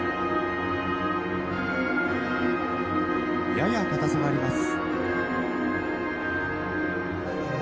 やや硬さがあります。